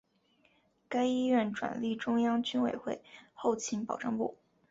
该医院转隶中央军委后勤保障部。